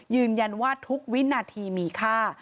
ยืนยันว่าทุกวินาทีมีค่า